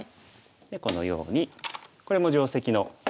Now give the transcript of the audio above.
でこのようにこれも定石の形。